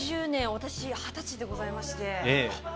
２０年、私、２０歳でございまして。